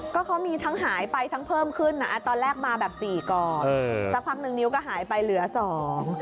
ก็เขามีทั้งหายไปทั้งเพิ่มขึ้นอ่ะตอนแรกมาแบบสี่กองเออสักพักหนึ่งนิ้วก็หายไปเหลือสอง